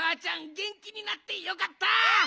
げんきになってよかった！